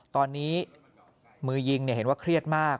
ตอนนี้มือยิงเห็นว่าเครียดมาก